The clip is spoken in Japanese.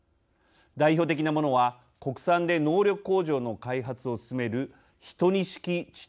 代表的なものは国産で能力向上の開発を進める１２式地